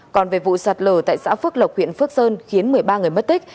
còn về vụ sạt lở tại xã phước lộc huyện phước sơn khiến một mươi ba người mất tích